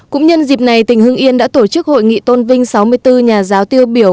cũng nhân dịp này tỉnh hưng yên đã tổ chức hội nghị tôn vinh sáu mươi bốn nhà giáo tiêu biểu